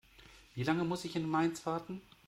Wie lange muss ich in Mainz warten?